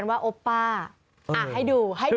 ให้ดู